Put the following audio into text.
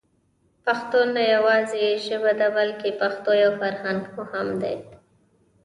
پښتو نه يوازې ژبه ده بلکې پښتو يو فرهنګ هم دی.